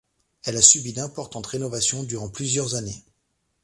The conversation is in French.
Elle a subi d'importantes rénovations durant plusieurs années.